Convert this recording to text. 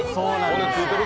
骨、ついてる！